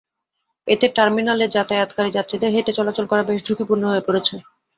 এতে টার্মিনালে যাতায়াতকারী যাত্রীদের হেঁটে চলাচল করা বেশ ঝুঁকিপূর্ণ হয়ে পড়েছে।